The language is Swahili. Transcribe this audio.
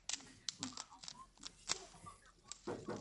bodi ya wakurugenzi iliundwa kwa mujibu wa kifungu cha nane